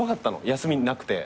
休みなくて。